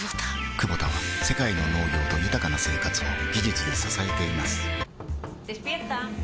クボタは世界の農業と豊かな生活を技術で支えています起きて。